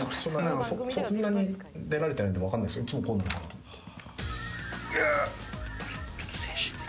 そんなに出られてないのでわからないんですけどいつもこうなのかなと思って。